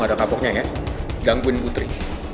gak ada apa apa gue mau ngakuin putri